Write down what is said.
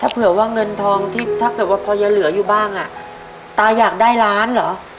เผื่อว่าเงินทองที่ถ้าเกิดว่าพอยังเหลืออยู่บ้างอ่ะตาอยากได้ล้านเหรอ